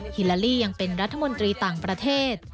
ฮิลาลี่ยังเป็นรัฐมนตรีต่างประเทศ